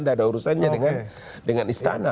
tidak ada urusannya dengan istana